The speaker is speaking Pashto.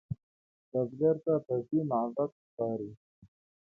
بزګر ته پټي معبد ښکاري